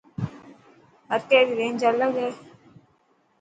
هر ڪي ري رينج الگ هي.